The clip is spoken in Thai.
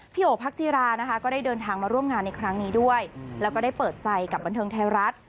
โอพักจีรานะคะก็ได้เดินทางมาร่วมงานในครั้งนี้ด้วยแล้วก็ได้เปิดใจกับบันเทิงไทยรัฐ